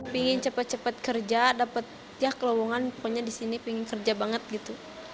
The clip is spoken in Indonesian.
pingin cepat cepat kerja dapat ya ke lowongan pokoknya di sini pingin kerja banget gitu